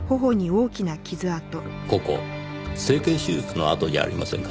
ここ整形手術の痕じゃありませんかね？